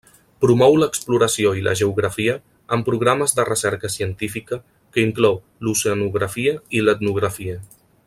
Promou l'exploració i la geografia amb programes de recerca científica que inclou l'oceanografia i l'etnografia.